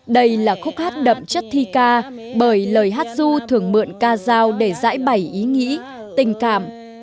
đây là khúc hát đậm chất thi ca bởi lời hát ru thường mượn ca giao để giãi bày ý nghĩ tình cảm